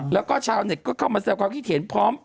แล้วก็ชาวเน็ตก็เข้ามาแซวความคิดเห็นพร้อม